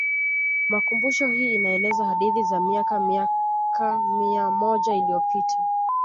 Makumbusho hii inaeleza hadithi za miaka miaka mia moja iliyopita